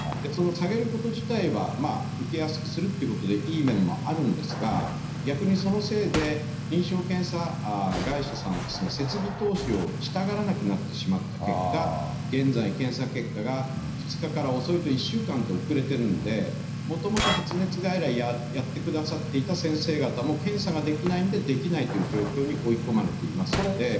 その下げること自体は、受けやすくするということで、いい面もあるんですが、逆にそのせいで、臨床検査会社さんは設備投資をしたがらなくなってしまった結果、現在、検査結果が２日から遅いと１週間と遅れているんで、もともと発熱外来やってくださっていた先生方も検査ができないんでできないという状況に追い込まれていますので。